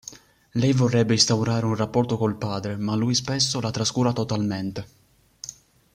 Lei vorrebbe instaurare un rapporto col padre, ma lui spesso la trascura totalmente.